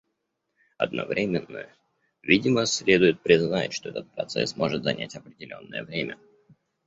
Одновременно, видимо, следует признать, что этот процесс может занять определенное время.